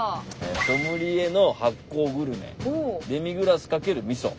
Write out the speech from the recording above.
「ソムリエの発酵グルメデミグラス×みそ」。